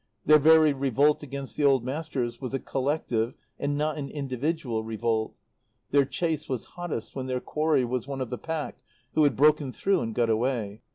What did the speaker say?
Their very revolt against the Old Masters was a collective and not an individual revolt. Their chase was hottest when their quarry was one of the pack who had broken through and got away.